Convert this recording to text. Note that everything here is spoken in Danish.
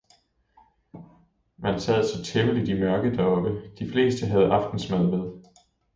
Man sad så temmeligt i mørke deroppe, de fleste havde aftensmad med.